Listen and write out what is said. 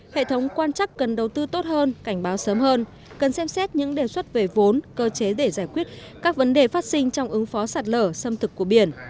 hệ thống quan chắc cần đầu tư tốt hơn cảnh báo sớm hơn cần xem xét những đề xuất về vốn cơ chế để giải quyết các vấn đề phát sinh trong ứng phó sạt lở xâm thực của biển